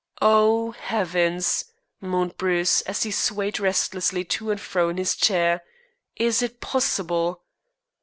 "Oh, heavens!" moaned Bruce, as he swayed restlessly to and fro in his chair, "is it possible?"